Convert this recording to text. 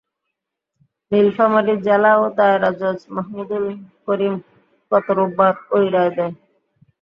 নীলফামারী জেলা ও দায়রা জজ মাহমুদুল কবীর গত রোববার ওই রায় দেন।